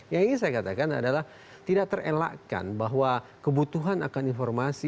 yang ingin saya katakan adalah tidak terelakkan bahwa kebutuhan akan informasi